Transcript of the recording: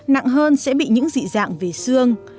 nặng hơn sẽ bị những dị dạng về xương